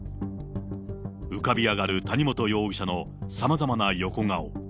浮かび上がる谷本容疑者のさまざまな横顔。